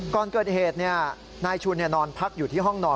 ก่อนเกิดเหตุนายชุนนอนพักอยู่ที่ห้องนอน